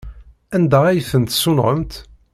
Anda ay ten-tessunɣemt?